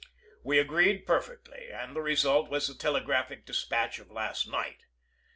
We agreed perfectly, and the result was the telegraphic dis patch of last night.